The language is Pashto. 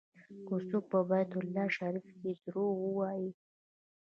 که څوک په بیت الله شریف کې دروغ ووایي.